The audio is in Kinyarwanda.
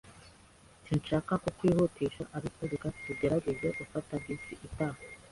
Sinshaka kukwihutisha, ariko reka tugerageze gufata bus itaha.